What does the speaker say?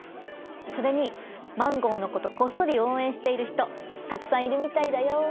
それにマンゴーのことこっそりおうえんしているひとたくさんいるみたいだよ。